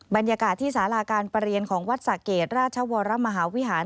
บรรยากาศที่สาราการประเรียนของวัดสะเกดราชวรมหาวิหาร